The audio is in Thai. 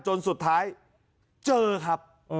จนสุดท้ายเจอครับ